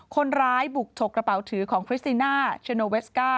คนร้ายบุกฉกกระเป๋าถือของฟริสติน่าเชโนเวสก้า